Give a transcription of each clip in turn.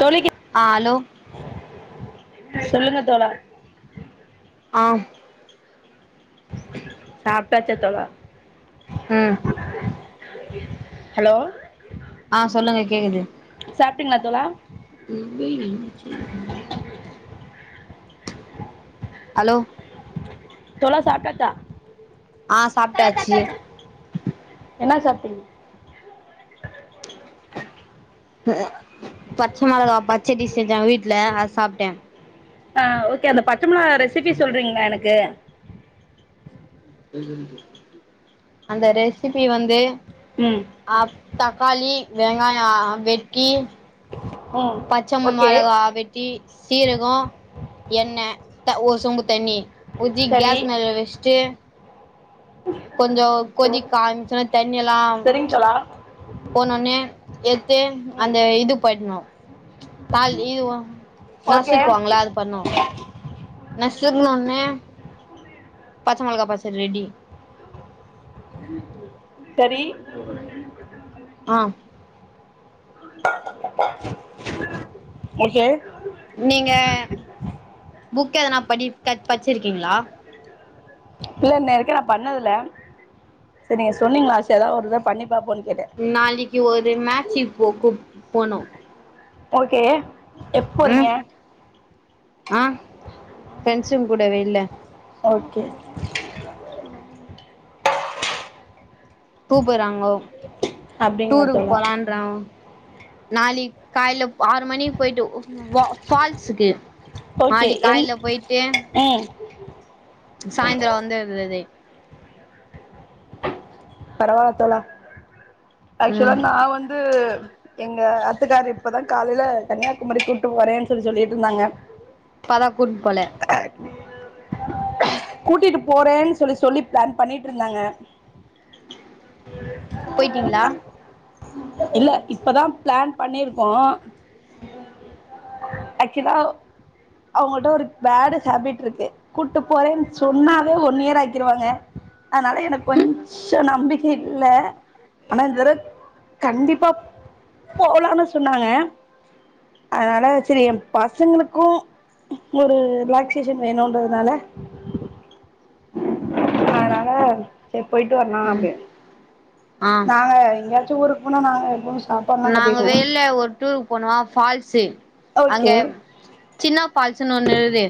தொளிக்க ஆ அலோ சொல்லுங்க தோழா ஆம் சாப்டாச்சா தோழா ம் ஹலோ ஆ சொல்லுங்க கேக்குது சாப்டீங்ளா தோழா நம்பே இன்ச்சி அலோ தோழா சாப்டாச்சா ஆ சாப்டாச்சி என்ன சாப்டிங்க உஅ பச்ச மொளகா பச்சடி செஞ்சாங்க வீட் ல ஆத சாப்டே எங்க எனக்கு அந்த ரெசிபி வந்து ம் அப் தக்காளி வெங்காயோ வெட்டி ம் பச்ச ஓகே மொளகா வெட் டி சீரகோ எண்ணெ த ஒரு சொம்பு தண்ணி ஊத்தி சரி கேஸ் மேல வச்ட்டு கொஞ்சோ கொதிக்க ஆரமிச்சொன்ன தண்ணி எல்லாம் சரிங்க தோழா போனோனே எத்து ம் அந்த இது பண்ணோ தால் இது ஒ ஓகே நசுக்குவாங்ள அதுக்கு பண்ணோ நசுக்ன ஒன்னே பச்ச மொளகா பச்சடி ரெடி சரி ஆ ஓகே நீங்க புக் எதனா படிக் கத் பச்சிருக்கீங்ளா இல்ல இன்ன வரைக்கு நா பண்ணதுல்ல சரி நீங்க சொன்னீங்ளா ஆசையாதா ஒரு தடவ பண்ணிபாப்போன்னு கேட்ட நாளைக்கி ஒரு மேட்ச் இப்போ கூட்னுபோணு ஓக்கே எப் போறீங்க ம் ஆ ஃப்ரெண்ட்ஸ்சுங் கூட வெள்ல ஓக்கே கூப்பட்றாங்கோ அப்டிங்களா டூருக்கு தோழா போலான்றா நாளிக் காலைல ஆறு மணிக்கு போயிட்டு ஓ ஃபால்ஸ்சுக்கு ஓக்கே எந் ம் சாய்ந்தரம் வந்து எது எது பரவால்ல தோழா ஆக்சுவலா ம் நா வந்து எங்க ஆத்துக்கார் இப்பதா காலையில கன்னியாகுமரி கூட்டு போரேன்னு சொல்லி சொல்லிட்டு இருந்தாங்க ஆனா கூட்டுனு போல கூட்டிட்டு போறேன்னு சொல்லி சொல்லி பிளான் பண்ணிட்டு இருந்தாங்க போயிட்டீங்களா இல்ல இப்பதா பிளான் பண்ணியிருக்கோ ஆக்சுலா அவங்கிட்ட ஒரு பேடு ஹேபிட் இருக்கு கூட்டு போறேன்னு சொன்னாவே ஒன் இயர் ஆக்கிருவாங்க அதனால எனக்கு கொஞ் சோ நம்பிக்கை இல்ல ஆனா இந்தர கண்டிப்பா போலான்னு சொன்னாங்க அதனால சேரி ஏ பசங்களுக்கும் ஒரு ரிலாக்சேஷன் வேணுன்றதுனால அதனால செரி போயிட்டு வரலா ம் அப்டின்னு ஆ நாங்க எங்கேயாச்சும் ஊருக்கு போனா நாங்க எப்பவு சாப் நாங்க வெளில ஒரு டூருகுக்கு போனமா ஃபால்ஸ்சு அங்க ஓகே சின்னா பால்ஸ்சுன்னு ஒண்ணு இருகுது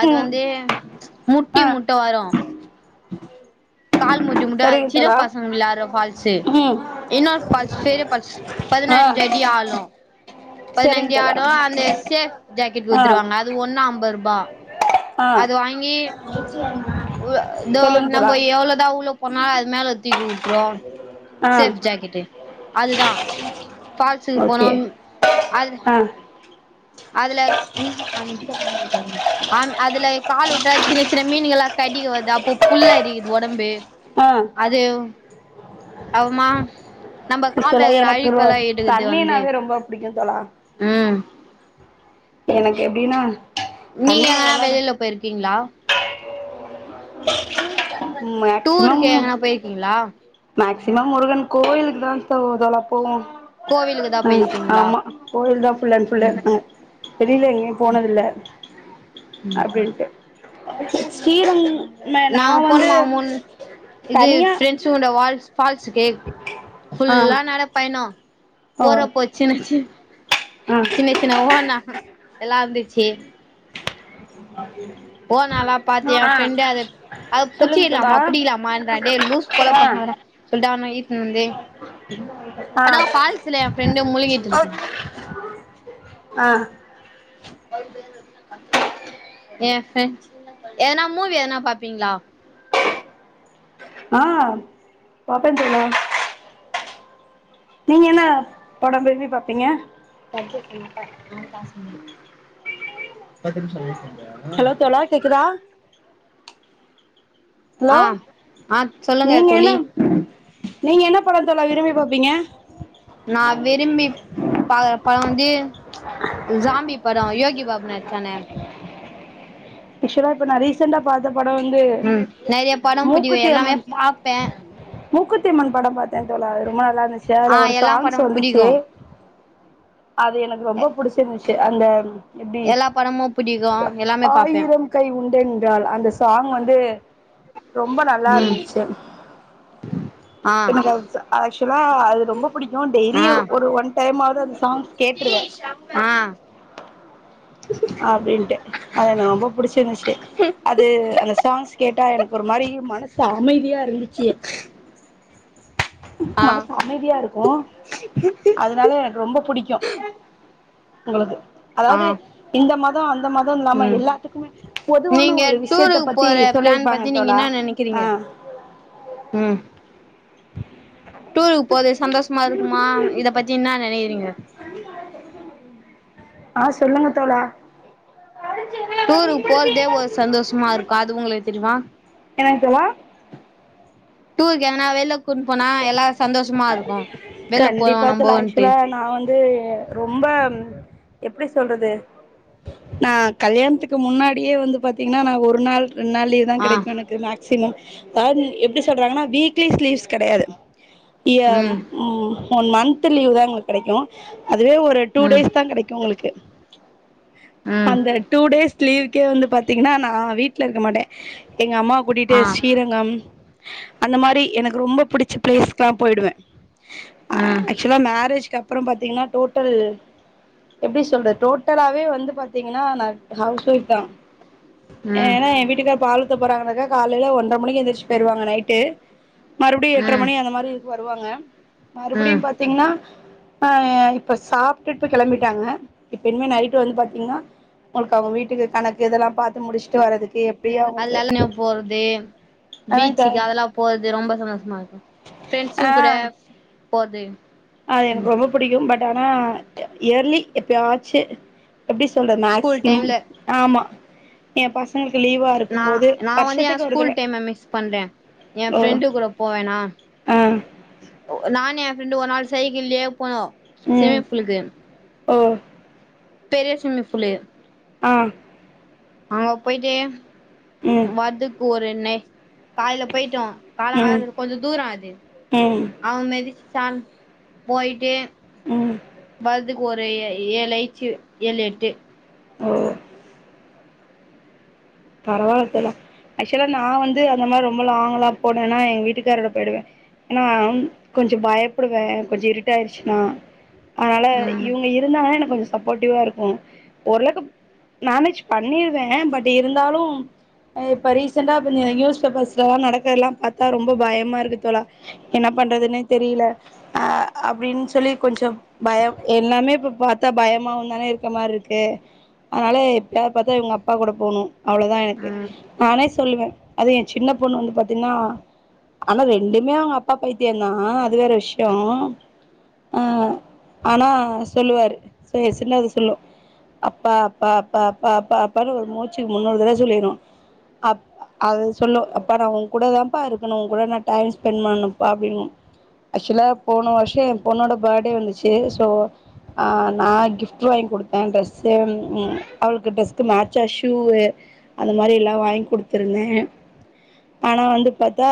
அது ம் வந்து முட்டி முட்ட வரும் ம் ம் கால் முட்டி முட்டும் அது சின்ன பசங்க விளாட்ற ஃபால்ஸ்சு ம் இன்னோர் ஃபால்ஸ் பெரிய ஃபால்ஸ் ஆ பதினஞ்சு அடி ஆழம் சரிங்க பதினஞ்சு தோழா ஆடம் அந்த சேஃப் ஜாக்கெட் ஆ குத்துருவாங்க அது ஒன்னு அம்பது ரூபா ஆ அது வாங்கி [inaudible] தோ சொல்லுங்க தோழா நம்ப எவ்ளோதா உள்ள போனாலு அது மேல தூக்கி உட்ரும் ஆ சேஃப் ஜாக்கெட்டு அதுதா பால்ஸ்க்கு ஓகே போனம் அது ஆ அதுல அதுல கால் உட்டா சின்ன சின்ன மீன்கல்லா கடிக்க வருது அப்போ புல் அரிக்குது ஒடம்பு ஆ அது அப்றமா நம்ப கால்ல ஆக்சுவலா இருக்குற எனக்கு ரொ அழுக்கல்லா எடுக்குது வந்து தண்ணினாவே ரொம்ப புடிக்கு தோழா ம் எனக்கு எப்டின்னா நீங்க தண்ணில எங்கன்னா வெளாட வெளியில போயிருக்கீங்ளா மேக்சிமம் டூர்க்கு எங்கனா போயிருக்கீங்ளா மேக்சிமம் முருகன் கோயிலுக்கு தா தோழா போவோ கோவிலுக்கு தா ம் போயிருக்கீங்களா ஆமா கோயில் தான் புல் அண்ட் ஃபுல்லு அ வெளில எங்கயு போனதில்ல அப்டின்ட்ட சீரம் என்ன நா நாங்க வந்து போனமா மூன் இது தனியா [unintelligible] வால்ஸ் ஃபால்ஸ்க்கே ஆ ஃபுல்லா நட பயண ஓ போறப்போ சின்ன சின் ஆ சின்ன சின்ன ஓனா அதெல்லாருந்துச்சு ஓணாலா பாத்து ஏ ஆ ஃப்ரெண்டு அத அது சொல்லுங்க தோழா புச்சிக்கிலாமா புடிக்கிலாமா இன்றா டேய் லூஸ் போல ஆ பண்ணாதடா சொல்லிட்டு அவன இத்துன்னு வந்து ஆ அப்பதா ஃபால்ஸ்ஸுல ஏ ஃப்ரெண்டு முழுகிட்டு இருக்கு ஆ [inaudible] எ ஃப்ரிண்ட்ஸ் எதனா மூவி எதனா பாப்பீங்களா ஆ பாப்பே தோழா நீங்க என்னா பட விரும்பி பாப்பீங்க [inaudible] காச ஹலோ தோழா கேக்குதா ஹலோ ஆ ஆ சொல்லுங்க நீங்க என்ன தோழி நீங்க என்ன படோ தோழா விரும்பி பாப்பீங்க நா விரும்பி பாக்குற படோ வந்து ஜாம்பி படோ யோகி பாபு நடிச்சானே யூசுவலா இப்ப நா ரீசண்டா பாத்த படோ வந்து ம் நெறைய படம் புடிக்கு மூக்குத்தி எல்லாமே அம்மன் பாப்பே மூக்குத்தி அம்மன் படோ பாத்தே தோழா அது ரொம்ப நல்லா இருந்துச்சு ஆ அதுல ஒரு எல்லா சாங்ஸ்ஸு படமு வந்துச்சு புடிக்கு அது எனக்கு ரொம்ப புடிச்சு இருந்துச்சு அந்த எப்டி எல்லா படமு புடிக்கு எல்லாமே பாப்பே உன் கை உண்டென்றால் அந்த சாங் வந்து ரொம்ப நல்லா ம் இருந்துச்சு ஆ எனக்கு அது ஆக்சுவலா அது ரொம்ப புடிக்கு டெய்லியி ஆ ஒரு ஒன் டைம்மாவது அந்த சாங்ஸ் கேட்டுருவே ஆ அப்டின்ட்டு அது எனக்கு ரொம்ப புடிச்சிருந்துச்சு அது அந்த சாங்ஸ் கேட்டா எனக்கு ஒரு மாரி மனசு அமைதியா ஆ [unintelligible] மனசு அமைதியா இருக்கு அது னால எனக்கு ரொம்ப புடிக்கு உங்களுக்கு ஆ அதாவ்து இந்த மத அந்த மத இல்லாம ம் எல்லாத்துக்குமே பொதுவான நீங்க ஒரு விஷ்யத்த டூருக்கு பத்தி போற பிளான் சொல்லியிருப்பாங்க பத்தி நீங்க தோழா என்ன நெனைக்கிறீங்க ஆ ம் டூருக்கு போரது சந்தோஷமா இருக்குமா இத பத்தி என்ன நெனைக்கிறீங்க ஆ சொல்லுங்க தோழா டூருக்கு போறதே ஒரு சந்தோஷமா இருக்கா அது உங்களுக்கு தெரிமா என்னங்க தோழா டூர்க்கு எங்கன வெள்ள கூட்ன் போனா எல்லாரு சந்தோஷமா இருக்கு வெள்ள போறோ நம்போன்ட்டு அது ரொம்ப எப்டி சொல்றது நா கல்யாணத்துக்கு முன்னாடியே வந்து பாத்தீங்கன்னா நா ஒரு நாள் ரெண்டு நாள் லீவ் தா ஆ கெடைக்கு எனக்கு மேக்சிமம் அதாவ்து எப்டி சொல்றாங்கன்னா வீக்லி லீவ்ஸ் கெடையாது ய ம் ம் ஒன் மந்த் லீவ் தா எங்களுக்கு கடைக்கு அதுவே ஒரு டூ ம் டேஸ் தா கடைக்கு உங்களுக்கு ம் அந்த டூ டேஸ் லீவ்கே வந்து பாத்தீங்கன்னா நா வீட் வீட்ல இருக்க மாட்டேன் எங்க அம்மா கூட்டிட்டு ஆ ஸ்ரீரங்கம் அந்த மாதிரி எனக்கு ரொம்ப பிடிச்ச ப்ளேஸ்க்கெல்லா போயிடுவ ம் ஆக்சுவலா மேரேஜ்க்கு அப்புறம் பாத்தீங்கன்னா டோட்டல் எப்படி சொல்றது டோட்டலாவே வந்து பாத்தீங்கன்னா நா ஹவுஸ் ஒய்ஃப் தா ம் ஏன்னா என் வீட்டுக்கார பால் ஊத்த போறாங்க காலைல ஒன்றர மணி எந்திரச்சு போய்டுவாங்க நைட் மறுபடியும் எட்டுர ம் மணி அந்த மாதிரி வருவாங்க ம் மறுபடியும் பாத்தீங்கன்னா ஆ இப்ப சாப்பிட்டுட்டு கிளம்பிட்டாங்க இப்ப இனிமே நைட் வந்து பாத்தீங்கன்னா அவங்களுக்கு அவங்க வீட்டுக்கு கணக்கு இதெல்லா பாத்து முடிச்சுட்டு வரதுக்கு எப் அதல்லாம் நா போறதே ஆனாக்கா பீச்சுக்கு அதெல்லா போறது ரொம்ப சந்தோஷமா இருக்கு ஃபிரண்ட்ஸ் ஆ கூட போது அது ம் எனக்கு ரொம்ப பிடிக்கும் பட் ஆனா இயர்லி எப்பயாச்சு எப்படி சொல்ற ஸ்கூல் மேக்சிமம் டைம்ல ஆமா எ பசங்களுக்கு லீவ்வா நா நா வந்து என் ஸ்கூல் டைம் மிஸ் பண்றே என் ஓ ஃப்ரெண்டு கூட போவேனா ஆ நானு எ ஃப்ரெண்டு ஒரு நாள் சைக்கிள்யே போனோம் ம் ஓ பெரிய ஸ்விம்மிங் ஃபுல்லே ஆ அங்க போயிட்டு ம் வரதுக்கு ஒரு நே காலையில போயிட்டோ காலம் ம் காத்தால கொஞ்ச தூரம் அது ம் அவ மிதிச்சிசான்னு போயிட்டே ம் வரதுக்கு ஒரு ஏழாச்சி ஏழு எட்டு ஒ பரவாயில்ல இதுல்லா ஆக்சுவலா நா வந்து அந்த மாதிரி ரொம்ப லாங்க்லா போனேன்னா எங்க வீட்டுக்காரரோட போயிடுவே ஏன்னா கொஞ்சம் பயப்படுவே கொஞ்சம் இருட்டா ஆச்சுனா அதனால ம் இவங்க இரு ந்தாங்க எனக்கு கொஞ்சம் சப்போர்ட்டிவா இருக்கும் ஓரளவுக்கு மேனேஜ் பண்ணிருவே பட் இரு ந்தாலும் இப்போ ரீசெண்டா நியூஸ் பேப்பர்ஸ் எல்லாம் நடக்கறது எல்லா பார்த்தா ரொம்ப பயமா இருக்கு தோழா என்ன பண்றதுன்னு தெரியல அ அப்படின்னு சொல்லி கொஞ்ச பயம் எல்லாமே இப்ப பாத்தா பயமாவும் தானே இருக்க மாதிரி இருக்கு அதனால எப்பாயாவது பாத்தா இவங்க அப்பா கூட போணும் அவ்வளவுதா எனக்கு ம் நானே சொல்லுவ அது எ சின்ன பொண்ணு வந்து பார்த்தீங்கன்னா ஆனா ரெண்டுமே அவங்க அப்பா பைத்தியம் தா அது வேற விஷயம் ஆ ஆனா சொல்லுவாரு சேரி சின்னது சொல்லும் அப்பா அப்பா அப்பா அப்பா அப்பா அப்பனு ஒரு மூச்சுக்கு முன்னூறு தடவ சொல்லிடும் அப் அது சொல்லும் அப்பா நா உங்க கூட தான்ப்பா இருக்கணும் உங்க கூட நா டைம் ஸ்பெண்ட் பண்ணும்ப்பா அப்படிங்கும் ஆக்சுவலா போன வருஷம் எ பொண்ணோட பேர்த்டே வந்துச்சு சோ ஆ நா கிஃப்ட் வாங்கி கொடுத்தே டிட்ரெஸ் அவளுக்கு ட்ரெஸ் மச்சா ஷூவு அந்த மாதிரி எல்லா வாங்கி கொடுத்துருந்தே ஆனா வந்து பார்த்தா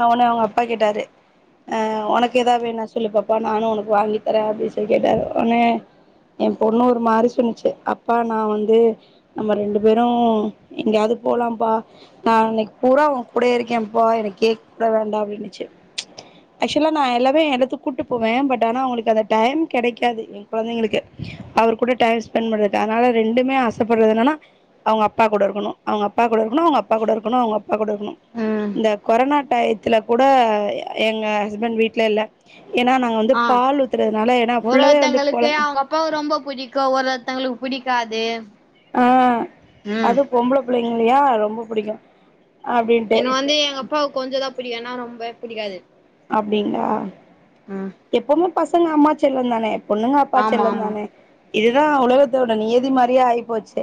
அ ஒடனே அவங்க அப்பா கேட்டாரு ஆ உனக்கு ஏதாவது வேணா சொல்லு பாப்பா நானு உனக்கு வாங்கி தரேன் அப்படின்னு சொல்லி கேட்டாரு உடனே என் பொண்ணு ஒரு மாதிரி சொன்னிச்சு அப்பா நா வந்து நம்ம ரெண்டு பேரும் எங்காவது போலாம் அப்பா நா இன்னைக்கு பூறா உன் கூட இருக்கே அப்பா எனக்கு கேக் கூடாது வேண்டா அப்படின்னுச்சு ஆக்சுவலா நா எல்லாமே எல்லா எடத்துக்கு கூட்டிட்டு போவே பட் ஆனா அவுங்களுக்கு அந்த டைம் கெடைக்காது குழந்தைங்களுக்கு அவர் கூட டைம் ஸ்பெண்ட் பண்றது அதனால ரெண்டுமே ஆசைப்படுறது என்னனா அவுங்க அப்பா கூட இருக்கணு அவுங்க அப்பா கூட இருக்கணு அவுங்க அப்பா கூட இருக்கணு அவங்க அப்பா கூட இருக்கணு ம் இந்த கொரோனா டைத்துல கூட எங்க ஹஸ்பண்ட் வீட்ல இல்ல ஏனா நா வந்து ஆ பால் ஊத்துறதுனால ஏனா ஒரு ஃபுல்லாவே வந்து ஒருத்தங்களுக்கு கொழந் அவங்க அப்பாவ ரொம்ப புடிக்கு ஒரு ஒருத்தவங்களுக்கு பிடிக்காது ஆ அது பொம்பள பிள்ளைங்களையா ரொம்ப புடிக்கு அப்டின்ட்டு எனக்கு வந்து எங்க அப்பாவ கொஞ்சதா புடிக்கு ஏனா ரொம்பவே பிடிக்காது அப்டிங்ளா ம் எப்பவுமே பசங்க அம்மா செல்லோந்தானே பொண்ணுங்க அப்பா ஆமா ஆமா செல்லோந்தானே இதுதா உலகத்தோட நீதி மாரியே ஆயிப்போச்சே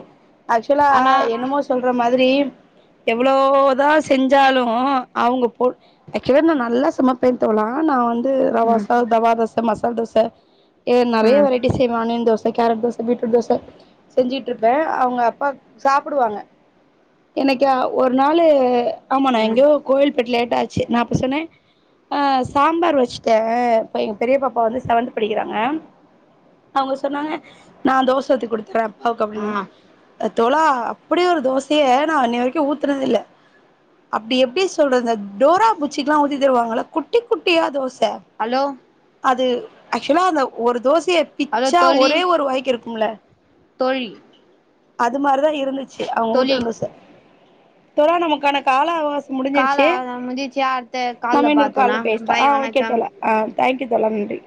ஆக்சுவலா ஆனா என்னமோ சொல்ற மாதிரி எவ்ளோதா தா செஞ்சாலு அவுங்க பொ ஆக்சுவலா நா நல்லா சமைப்ப தோழா நா வந்து ரவா ம் ரவா தோச மசால் தோச அ நெறையா ம் வெரைட்டிஸ் செய்வே onion dosa carrot dosa beetroot dosa செஞ்சுட்ருப்பே அவுங்க அப்பாக் சாப்டுவாங்க என்னைக்கா ஒரு நாளு ஆமா நா ம் எங்கேயோ கோயில் போயிட்டு லேட்டா ஆச்சு நா அப்ப சொன்னே ஆ சாம்பார் வச்சுட்டே அப்ப எங்க பெரிய பாப்பா வந்து செவன்த் படிக்கிறாங்க அவுங்க சொன்னாங்க நா தோச ஊத்தி குடுத்துறே அப்பாவுக்கு ஆ அப்டினாங்க தோழா அப்டி ஒரு தோசைய நா அன்னை வரைக்கு ஊத்துனதே இல்ல அப்டி எப்டி சொல்றது இந்த டோரா புஜ்ஜிக்குல்லா ஊத்தி தருவாங்கள குட்டி குட்டியா தோச ஹலோ அது ஆக்சுவலா அந்த ஒரு தோசைய ஹலோ பிச்சா தோழி ஒரே ஒரு வாய்க்கு இருக்கும்ல தோழி அது மாரிதா இருந்துச்சு அவுங்க தோழி ஊத்துன தோச தோழா நமக்கான கால அவகாசோ கால முடிஞ்சிருச்சு முஞ்சிச்சு அடுத்த கால்ல நம்ம இன்னொரு கால்ல பாத்துக்கலாம் பேசட்டா ஆ பாய் ஓகே வணக்கம் தோழா ஆ தேங்க் யூ தோழா நன்றி